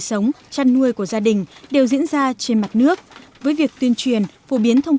sống chăn nuôi của gia đình đều diễn ra trên mặt nước với việc tuyên truyền phổ biến thông